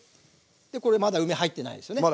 でこれまだ梅入ってないですよね。